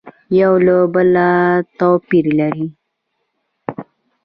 یو له بله تو پیر لري